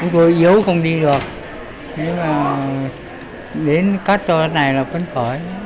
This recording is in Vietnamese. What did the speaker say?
tôi yếu không đi được đến cắt tóc này là vẫn khỏi